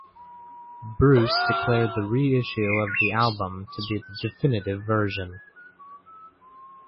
Bruce declared the reissue of the album to be the "definitive" version.